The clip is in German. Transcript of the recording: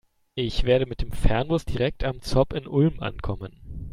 Ich werde mit dem Fernbus direkt am ZOB in Ulm ankommen.